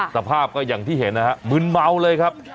สภาพก็อย่างที่เห็นนะฮะมึนเมาเลยครับ